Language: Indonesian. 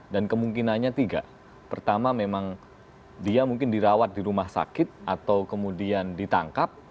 dan kemungkinannya tiga pertama memang dia mungkin dirawat di rumah sakit atau kemudian ditangkap